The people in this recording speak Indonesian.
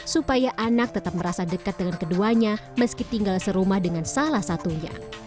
supaya anak tetap merasa dekat dengan keduanya meski tinggal serumah dengan salah satunya